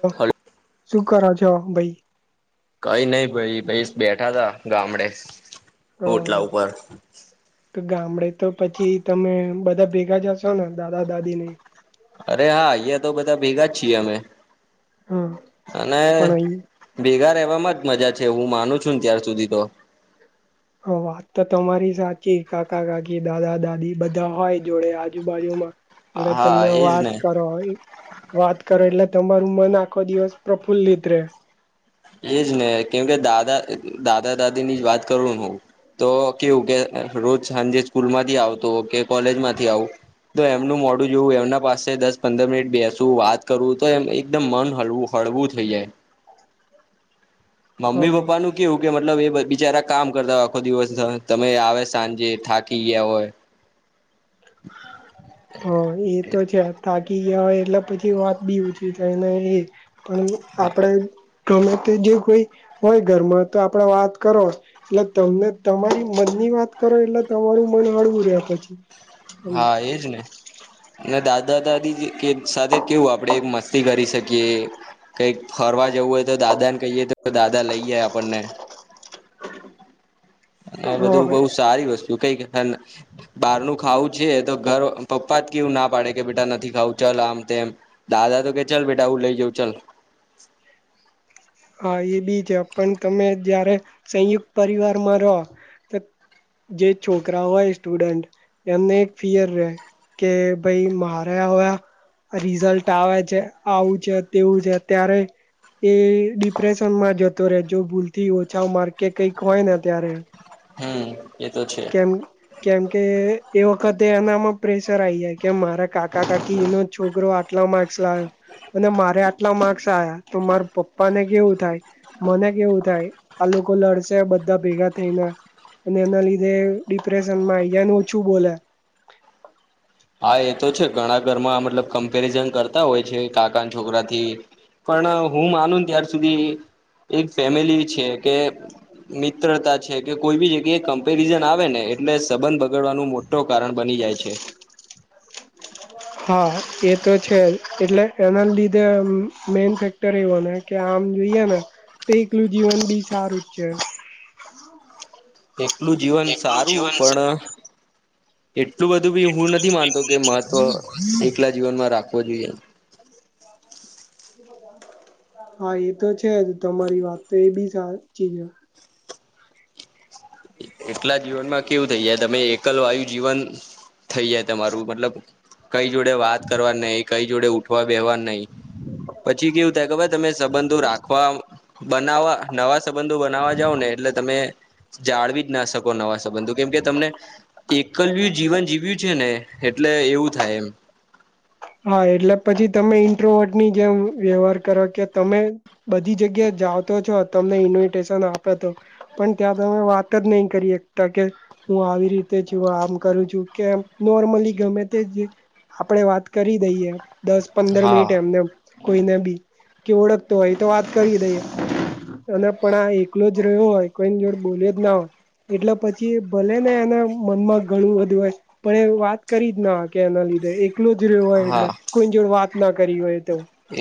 હ હલો શું કરો છો ભાઈ કઈ નઈ ભાઈ ભાઈ બેઠા તા ગામડે અ હોટલા ઉપર તો ગામડે તો પછી તમે બધા ભેગા જશો ને દાદા દાદી ને અરે હા અહં તો બધા ભેગા જ છીએ અમે હા અને પણ અહી ભેગા એ વામાં જ મજા છે હું માનું છું ને ત્યાાર સુધી તો હા વાત તો તમારી સાચી કાકા કાકી દાદા દાદી બધા હોય જોડે આજુબાજુમાં એટલે હા તમને એજ વાત ને કરો હોય વાત કરો એટલે તમારું મન આખો દિવસ પ્રફુલ્લિત રહેે એજ ને કેમ કે દાદા દાદા દાદી ની જ વાત કરું હું તો કેવું કે રોજ સાંજે સ્કૂલ માંથી આવતો કે કોલેજ માંથી આવું તો એમનું મોડું જોવું એમના પાસે દસ પંદર મિનિટ બેસવું વાત કરવું તો એમ એકદમ મન હલવું હોય પડવું થઈ જાય હ મમ્મી પપ્પાનુંું કેવું કે મતલબ એ બિચારા કામ કરતા હોય આખો દિવસ તમે આવે સાંજે થાકી ગયા હોય હા એ તો છે તાકી ય એટલે પછી વાત બી ઓછી થાય ને એ પણ આપણે ગમે તે જે કોઈ હોય ઘરમાં તો આપડે વાત કરો એટલે તમને તમારી મનની ની વાત કરો એટલે તમારું મન હળવું રહે પછી હા એજ ને દાદા દાદી સાથે કેવું આપડે મસ્ત કરી શકીએ કંઈક ફરવા જવું હોય તો દાદા ને કહીએ તો દાદા લઈ જાય આપણને હ હા બધું બહ સારી વસ્તુ કઈક બહાર ન ખાવું છે તો ઘર પપ્પા જ કેવું ના પાડે કે બેટા નથી ખાવું ચલ આમ તેમમ દાદા તો કે ચલ બેટા હું લઈ જાઉ ચાલ [inaudible] હા એ બી છે પણ તમે જારે સંયુક્ત પરિવારમાં રહો જે છોકરા હોય સ્ટુડન્ટ એમને એક ફિયર રહેે કે ભાઈ માાર્યા હોયા રિઝલ્ટ આવે છે આવું છે તેવું છે ત્યારે એ ડિપ્રેશન માં જતો રહેે જો ભૂલથી ઓછા માર કે કઈક હોય ને ત્યારે હમ એ તો છે કેમ કેમ કે એ વખતે એનામાં પ્રેશર આવી જાય કે મારા કાકા કાકીનો છોકરો આટલા માર્ક્સ લાવ્યો અને મારે કેટલા માર્ક્સ આ્યા તો માર પપ્પા ને કેવું થાય મને કેવું થાય આ લોકો લડશે બધા ભેગા થઈને અને એના લીધે ડિપ્રેશનમાં આયાને ઓછું બોલે હા એ તો છે ઘણા ઘરમાં મતલબ કમ્પેરિઝન કરતા હોય છે કાકા છોકરા થી પણ હું માનું ત્યાર સુધી એક ફેમિલી કે મિત્રતા છે, કે કોઈ બી જગ્યાએ કમ્પેરિઝન આવે ને એટલે સંબંધ બગડવાનું મોટું કારણ બની જાય છે, હું હા એ તો છે, એટલે એના લીધે મેન ફેક્ટર‌ એવો ને કે આ જોઈએ ને તો એકલું જીવન બી સારું જ છે, એટલું જીવન એકલું સારું જીવન પણ એ એટલું બધું બી હું નથી માનતો કે મહત્વ એકલા જીવનમાં રાખવું. રાખવો જોઈએ. હા એ તો છે, જ તમારી વાત તો એ બી સાચીજ એકલા જીવન માં કેવું થઈ જાય, તમે એકલ વાયુ જીવન થઈ જાય તમારું મતલબ કઈ જોડે વાત કરવા નહીં કઈ જોડે ઉઠવા બેવાનું નહીં. પછી કેવું થાય કે ભાઈ તમે સંબંધો રાખવા બનાવવા નવા સંબંધો બનાવા જાવ ને એટલે તમે જાળવી જ ના શકો નવા સંબંધો કેમકે તમને એકલ્યુ જીવન જીવ્યું છે, ને એટલે એવું થાય એમ, હા એટલે પછી તમે ઇન્ટ્રોવોટની જેમ વ્યવહાર કરો કે તમે બધી જગ્યા. જાઓતો છો તમને ઇન્વિટેશન આપે તો પણ ત્યાં તમે વાત જ નહી કરી શતા કે હું આવી રીતે છું, આમ કરું છું, કેમ નોર્મલી ગમે તે આપડે વાત કરી દઈએ દસ પંદર મિનિટ હા એમને કોઈને બી કે ઓળખતો હોય તો વાત કરી દઈએ. અને પણ આ એકલો જ રહ્યો હોય કોઈની જોડે બોલે જ ના હોય. એટલે પછી ભલે ને એના મનમાં ઘણું બધું હોય પણ એ વાત કરી જ ના કે એના લીધે. એકલો જ રહ્યો હોય હા એટલે કોઈ જોડ વાત ના કરી હોય. તો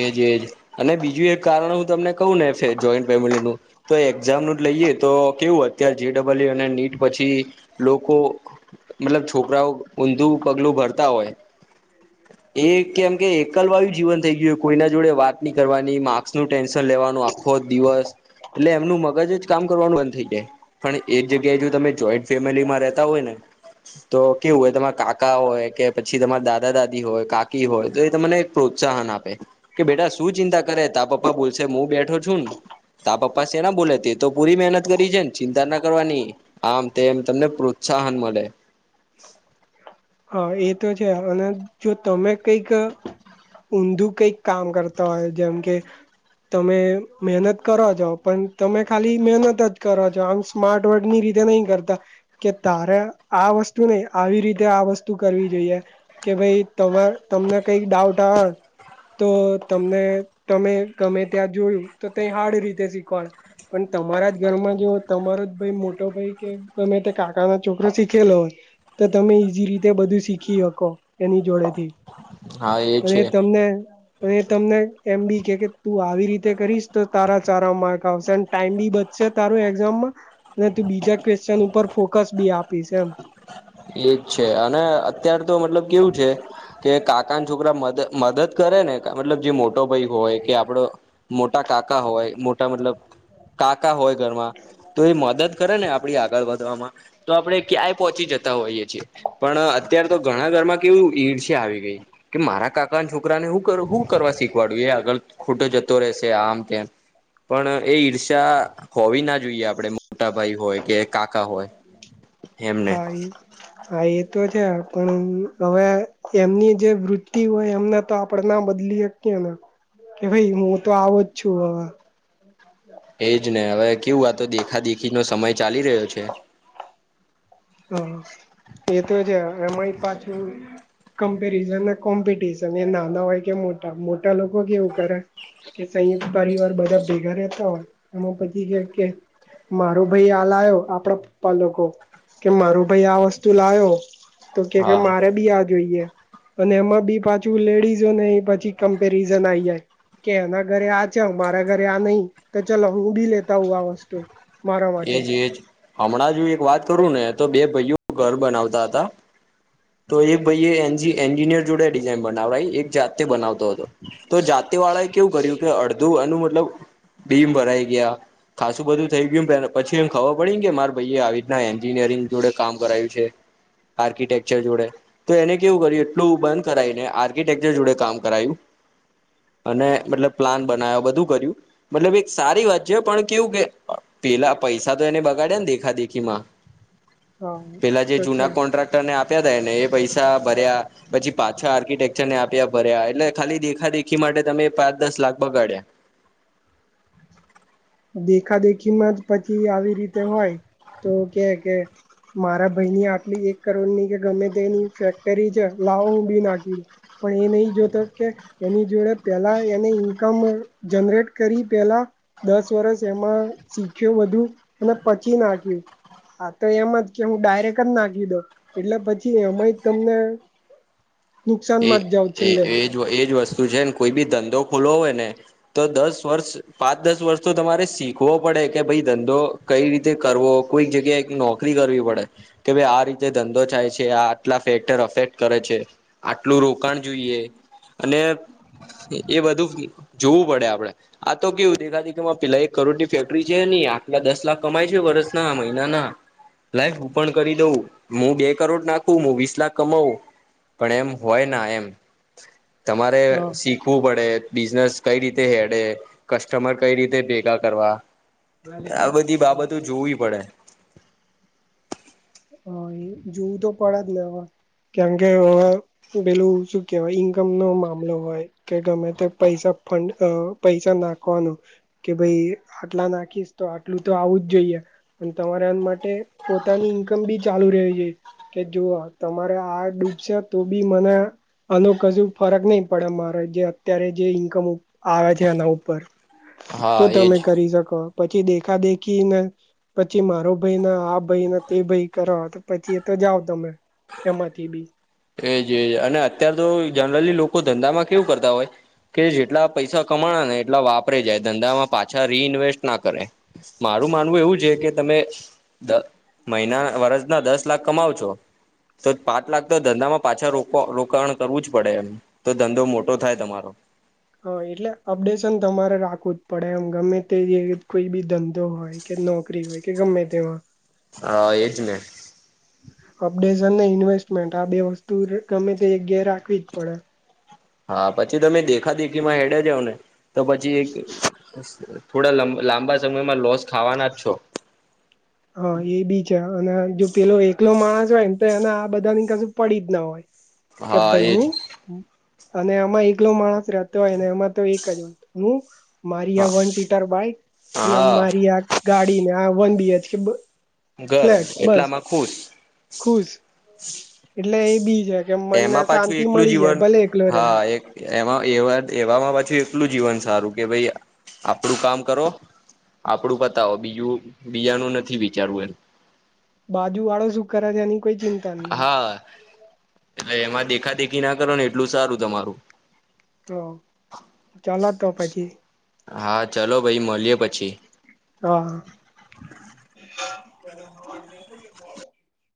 એજ એજ અને બીજું એક કારણો હું તમને કું ને જોઈન્ટ ફેમિલી તો એક્ઝામ ન જ લઈએ તો કેવું અત્યારે જબલપુર. ડબલીયુ અને નીટ પછી લોકો મતલબ છોકરાઓ ઊંધું પગલું ભરતા હોય. એ કેમ કે એકલવાયું જીવન થઈ ગયું કોઈના જોડે વાત ન કરવાની નહીં માકૅસ નું ટેન્શન લેવાનું આખો દિવસ એટલે એમનું મગજ કરવા બંધ થઈ જાય પણ એક જગ્યાએ જો તમે જોઈન્ટ ફેમિલીમાં રહેતા હોય ને તો કેવું હોય તમારે કાકા હોય કે પછી થી તમારા દાદા દાદી હોય કાકી હોય તો એ તમને પ્રોત્સાહન આપે. કે બેટા શું ચિંતા કરે તા પપ્પા બોલસે હું બેઠો છું. ને તા પપ્પા છે, ને બોલે તે તો પૂરી મહેનત કરી છે, ને ચિંતા ના કરવાની આમ તેમને. ઉત્સાહાન મળે. [unintelligible] [inaudible] એ તો છે, અને જો તમે કંઈક. ઊંધું કંઈક કામ કરતા હોય જેમ કે, તમે મહેનત કરવા જો પણ તમે ખાલી મહેનત જ કરવા જો આમ સ્માર્ટ વર્ગની રીતે. નહીં કરતા કે તારે આ વસ્તુ નહીં આવી રીતે આ વસ્તુ. કરવી જોઈએ, કે ભાઈ તમે તમને કંઇક ડાઉટ હોય. તો તમને તમે ગમે ત્યાં જોયું તો તે હાર્ડ રીતે શીખવાડ્યું. પણ તમારા જ ઘરમાં જો તમારો જ ભાઈ મોટો ભાઈ કે ગમે તે કાકા ના છોકરો શીખેલો હોય. તો તમે ઈજી રીતે બધું શીખી શકો એની જોડે થી હા એ અને છે તમને તમને એમ બી તું આવી રીતે કરીશ તો તારા ચારા માર્ક આવશે અને ટાઈમ બી બચશે તારું એક્ઝામમાં ને તું બીજા ક્વેશ્ચન ઉપર ફોકસ બી આપીશ, એમ એ જ છે, અને અત્યારે તો મતલબ કેવું છે, કે કાકા છોકરા મદદ કરે ને મતલબ જે મોટો ભાઈ હો હોય કે આપડો મોટા કાકા હોય મોટા મતલબ કાકા હોય ઘરમાં તો એ મદદ કરે ને આપડી આ આગળ વધવામાં તો આપડે ક્યાંય પહોંચી જતા હોઈએ પણ અત્યારે તો ઘણા ઘર માં કેવું ઇર્ષા આવી ગઈ કે મારા કાકા છોકરાને હું હું કરવા શીખવાડું એ આગળ ખોટો જતો રહેશે આમ તેમ પણ એ ઈર્ષ્યા હોવી ના જોઈએ આપડે મોટા ભાઈ હોય કે કાકા હોય એમને હા એ હા એ તો છે પણ હવે એમની જે વૃતિ હોય એમના તો આપડ ના બદલી હકીયેન કે ભાઈ હું તો આવોજ છું હવે એજ ને હવે કેવું આતો દેખા દેખી નો સમય ચાલી રહ્યો છે હા એ તો છે એમાંય પાછું કમ્પેરિઝન ને કોમ્પિટિશન એ નાના હોય કે મોટા મોટા લોકો કેવું કરે કે સંયુક્ત પરિવાર બધા ભેગા રહેતા હોય એમાં પછી કે કે મારું ભાઈ હાલ આવ્યો આપડા પપ્પા લોકો કે મારું ભાઈ આ વસ્તુ લાવો તો કે કે હા. મારે બી આ જોઈએ અને એમાં બી પાછું લેડીઝો ને એ પછી કમ્પેરિઝન આઈ જાય કે એના ઘરે આ ચ હ મારા ઘરે આ નહીં તો ચાલ હું ભી લેતા હું આ વસ્તુ મારા માટે એજ એજ હમણાં જો એક વાત કરું ને તો બે ભાઈઓ ઘર બનાવતા હતા તો એ ભાઈ એ એન્જિનિયર જોડે ડિઝઇન બનાવડાઈ એક જાતે બનાવતો હતો તો જાતિ વાળા એ કેવું કર્યું કે અડધું એનું મતલબ બીમ ભરાઈ ગયા ખાસું બધું થઈ ગયું પે પછી એમ ખબર પડી ને કે મારે ભાઈ આવી રીતના એન્જિનિયરિંગ જોડે કામ કરાયું છે આર્કિટેકચર જોડે તો એને કેવું કર્યું એટલું બંધ કરવુંને આર્કિટેકચર જોડે કામ કરાયું અને મતલબ પ્લાન બના્યો બધું કર્યું મતલબ એક સારી વાત છે પણ કેવું કે પેલા પૈસા તો એને બગાડ્યા ને દેખા દેખીમાં હા પેલા જે તો જૂના છે કોન્ટ્રાક્ટર ને આપ આપ્યા થાય ને એ પૈસા ભર્યા પછી પાછા આર્કિટેકચરને આપ્યા ભર્યા એટલે ખાલી દેખા દેખી માટે તમે પાંચ દસ લાખ બગાડ્યા [inaudible] દેખા દેખી માં જ પછી આવી રીતે હોય તો કે કે મારા ભાઈની આટલી એક કરોડ ની કે ગમે તેની ફેક્ટરી છે લાવો હું બી નાખી પણ એ નહી જોતો કે એની જોડે પેલા એને ઇન્કમ જનરેટ કરી પેલા દસ વર્ષ એમાં શીખ્યો બધું અને પછી નાખ્યું હા તો એમાં જ કે હું ડાયરેક્ટ જ નાખી દવ એટલે પછી એમાં તમને હ એ એ એજ એજ વસ્તુ છે ને કોઈ બી ધંધો ખોલવો હોય ને તો દસ વર્ષ પાંચ દસ વર્ષ તો તમારે શીખવો પડે કે ભાઈ ધં તો કઈ રીતે કરવો કોઈક જગ્યાએ નોકરી કરવી પડે કે ભાઈ આ રીતે ધંધો થાય છે આટલા ફે્ટર અફેક્ટ કરે છે આટલું રોકાણ જોઈએ અને એ બધું જોવું પડે આપડે આ તો કેવું દેખા દે કેમાં પેલા એક કરોડ ની ફેક્ટરી છે ની આટલા દસ લાખ કમાય છે વરસ ના મહિના ના લાય હું પણ કરી દઉં હું બે કરોડ નાખું હું વીસ લાખ કમાવું પણ એમ હોય ના એમ તમારે શીખવું પડે બિઝનેસ કઈ રીતે હેડે કસ્ટમર કઈ રીતે ભેગા કરવા આ હા બધી બાબતો જોવી પડે હ એ જોવું તો પડે જ ને હા કેમકે પેલું શું કેવાય ઈન્કમ નો મામલો હોય કે ગમે તે પૈસા ફંડ પૈસા નાખવાનું કે ભાઈ આટલા નાખીશ તો આટલું તો આવું જ જોઈએ તમારે એમ માટે પોતાની ઇન્કમ બી ચાલુ રહેવી જોઈ કે જો તમારે આ ડૂબશે તો બી મને. આનો કજુ ફરક નહી પડે અમારે જે અત્યારે જે ઈન્કમ આવે છે એના ઉપર. તો હા એજ તમે કરી શકો. પછી દેખા દેખી ને પછી મારો ભાઈને આ ભાઈને. તે ભાઈ કર તો પછી એ તો જાાવ તમે એમાંથી બી. એજજ અને અત્યાર તો જનરલી લોકો ધંધામાં કેવું કરતા હોય. કે જેટલા પૈસા કમાણે ને એટલા વાપરે જાય ધંધામાં પાછા રી ન્વેસ્ટ ના કરે મા. મારું માનવું એવું છે કે તમે મહિના વરજ ના દસ લાખ કમાવ છો. તો પાંચ લાખ. તો ધંધામાં પાછા રો રોકાણ કરવું જ પડે એમ તો ધંધો મોટો થાય તમારો. હા એટલે અપડેશન તમારે રાખવું જ પડે એમ ગમે તે કોઈ બી ધંધો હોય કે. નોકરી હોય કે ગમે તેમાં. હા એજ ને. અપડેઝન ને ઇન્વેસ્ટમેન્ટ આ બે વસ્તુ ગમે તે જગ્યાએ રાખવી જ પડે. હા પછી તમે દેખા દેખીમાં હેડ્યા જાવ ને તો પછી એક. થોડા લાંબા સમયમાં લોસ ખાવાના છો. હા એ બી છે અને જો પેલો એક. પલો માણસ હોયમ તો એને આ બધા ની કશું પડી જ ના હોય કે હા ભાઈ એજ હું. અને એમાં એકલો માણસ રહેતો હોય એમાં તો એક જ હ. મારી આ હા વન સીટર બાાય અને હા મારી આ ગાડી ને આ વન બીએચ કે. ઘર ફ્લેટ બસ એટલામાં ખુશ ખુશ. એટલે એ બી છે કે મનને એમાં પાછું શાંતિ એકલું મળી જાય જીવન ભલે એકલો રે. હા એક એમાં એ એમાં પાછું એટલું જીવન સારું કે ભાઈ આપડું કામ કરો. આપડું પતાવો બીજું બીજાનું નથી વિચારવું એમ. બાજુ વાળો સુ કરે છે એની કોઈ ચિંતા એમ નહી. હા એટલે એમાં દેખા દેખી ના કરો ને એટલું સારું તમારું. હ ચાલ તો પછી. હા ચલોો ભાઈ મળએ પછી. હા પેલા.